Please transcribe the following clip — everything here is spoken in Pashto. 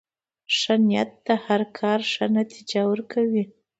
ښه نیت د هر کار ښه نتیجه ورکوي.